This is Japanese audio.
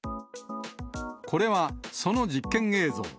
これは、その実験映像。